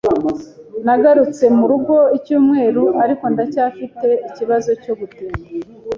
Nagarutse murugo icyumweru, ariko ndacyafite ikibazo cyo gutinda.